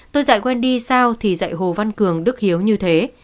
tôi dạy wendy sao thì dạy hồ văn cường đức hiếu như thế